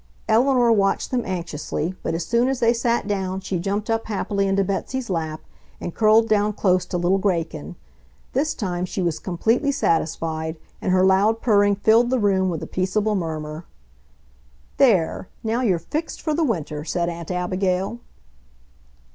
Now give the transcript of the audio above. Eleanor watched them anxiously, but as soon as they sat down she jumped up happily into Betsy's lap and curled down close to little Graykin. This time she was completely satisfied, and her loud purring filled the room with a peaceable murmur. "There, now you're fixed for the winter," said Aunt Abigail.